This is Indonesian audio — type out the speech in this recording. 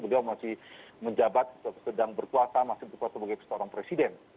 beliau masih menjabat sedang berkuasa masih berkuasa sebagai seorang presiden